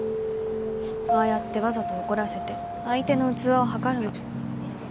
ああやってわざと怒らせて相手の器を量るの。